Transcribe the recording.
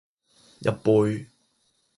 一杯